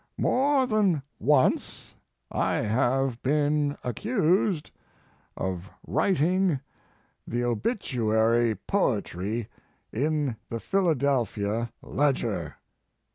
More than once I have been accused of writing the obituary poetry in the Philadelphia Ledger."